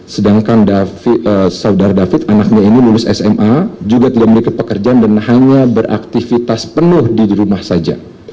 sedangkan saudara david anaknya ini lulus sma juga tidak memiliki pekerjaan dan hanya beraktivitas penuh di rumah saja